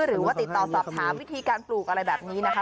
หรือว่าติดต่อสอบถามวิธีการปลูกอะไรแบบนี้นะคะ